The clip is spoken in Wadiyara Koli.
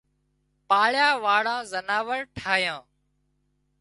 پاۯيا واۯان زناور ٺاهيان